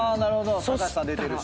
隆さん出てるし。